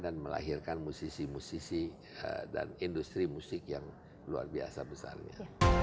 dan melahirkan musisi musisi dan industri musik yang luar biasa besarnya